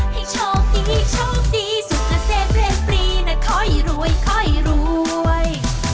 ให้โชคดีโชคดีสุขนะเศรษฐเปลี่ยนปีน่ะค่อยรวยค่อยรวย